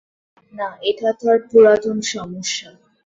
না, এটা তার পুরাতন সমস্যা।